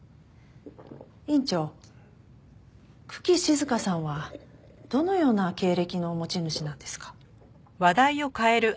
院長九鬼静さんはどのような経歴の持ち主なんですか？